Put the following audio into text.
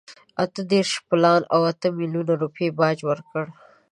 اته دېرش پیلان او اته میلیونه روپۍ باج ورکړ.